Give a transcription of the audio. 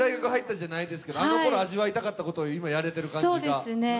あのころ味わいたかったことを今やれていると。